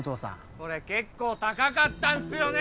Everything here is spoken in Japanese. これ結構高かったんすよね！